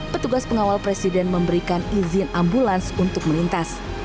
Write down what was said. petugas pengawal presiden memberikan izin ambulans untuk melintas